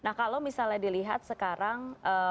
nah kalau misalnya dilihat sekarang